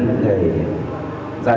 tìm kiếm lúc nào